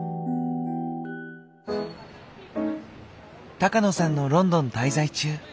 高野さんのロンドン滞在中。